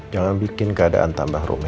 jangan bikin keadaan yang terjadi